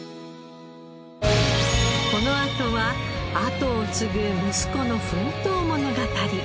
このあとは跡を継ぐ息子の奮闘物語。